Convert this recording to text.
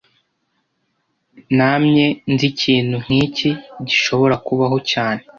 Namye nzi ikintu nkiki gishobora kubaho cyane